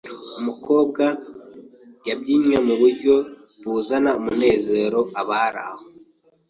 Umukobwa yabyinnye muburyo buzana umunezero abari aho.